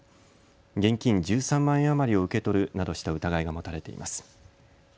現金１３万円余りを受け取るなどした疑いが持たれています。